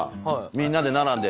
みんなで並んで。